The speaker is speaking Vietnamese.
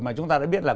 mà chúng ta đã biết là